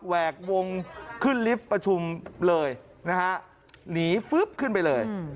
แวกวงขึ้นลิฟต์ประชุมเลยนะฮะหนีฟึ๊บขึ้นไปเลย